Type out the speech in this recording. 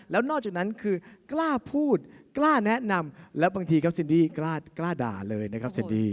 แล้วนอกจากนั้นคือกล้าพูดกล้าแนะนำแล้วบางทีครับซินดี้กล้าด่าเลยนะครับเซนดี้